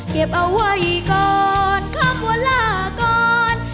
เก็บเอาไว้ก่อนคำว่าลาก่อน